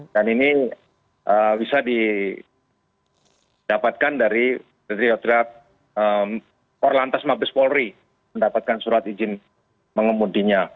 dan ini bisa didapatkan dari ria ria korlantas mabes polri mendapatkan surat izin mengemudinya